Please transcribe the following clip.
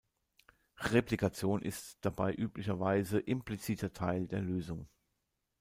Replikation ist dabei üblicherweise impliziter Teil der Lösung.